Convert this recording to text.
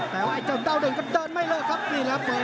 แต่ว่าจะดาวเดชน์ก็เดินไม่เลิกครับ